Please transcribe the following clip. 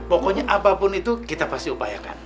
pokoknya apapun itu kita pasti upayakan